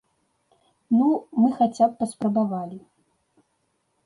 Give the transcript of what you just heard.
Ну, мы хаця б паспрабавалі.